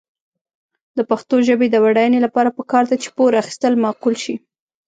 د پښتو ژبې د بډاینې لپاره پکار ده چې پور اخیستل معقول شي.